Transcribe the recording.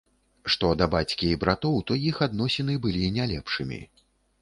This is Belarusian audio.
Што да бацькі і братоў, то іх адносіны былі не лепшымі.